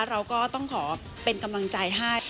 เราก็ต้องขอเป็นกำลังใจให้